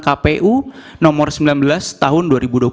kpu nomor sembilan belas tahun